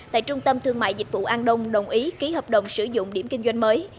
tại trung tâm thương mại dịch vụ an đông đồng ý ký hợp đồng sử dụng điểm kinh doanh mới